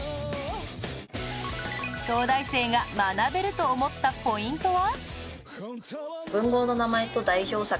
東大生が学べると思ったポイントは？